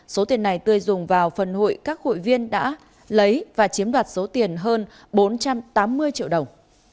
số tiền này tươi dùng vào phần hội các hội viên đã lấy và chiếm đoạt số tiền hơn bốn trăm tám mươi triệu đồng